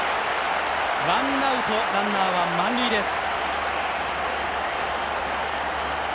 ワンアウト、ランナーは満塁です。